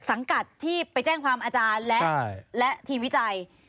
สังกัดที่ไปแจ้งความอาจารย์และทีมวิจัย